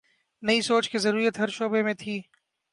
نئی سوچ کی ضرورت ہر شعبے میں تھی۔